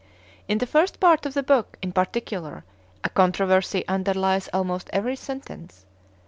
In the first part of the book, in particular, a controversy underlies almost every sentence.